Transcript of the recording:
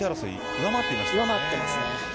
上回っていますね。